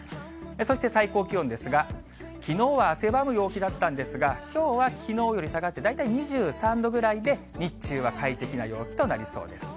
そして最高気温ですが、きのうは汗ばむ陽気だったんですが、きょうはきのうより下がって、大体２３度ぐらいで、日中は快適な陽気となりそうです。